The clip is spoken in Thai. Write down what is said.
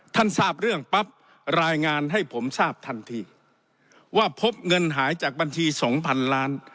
ทราบเรื่องปั๊บรายงานให้ผมทราบทันทีว่าพบเงินหายจากบัญชีสองพันล้าน